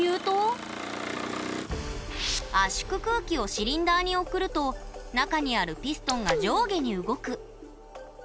圧縮空気をシリンダーに送ると中にあるピストンが上下に動く。